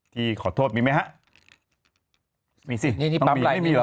ที่ขอโทษมีไหมฮะ